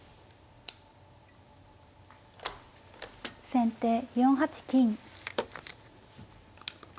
先手４八金。